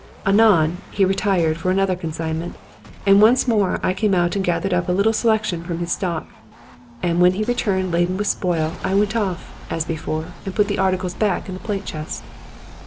Anon, he retired for another consignment, and once more I came out and gathered up a little selection from his stock; and when he returned laden with spoil, I went off, as before, and put the articles back in the plate chest.